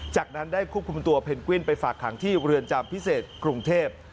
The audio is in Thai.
จากนั้นได้ควบคุมตัวเพนกวินไปฝากขังที่เรือนจำพิเศษกรุงเทพ